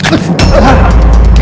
harus jaga diri deste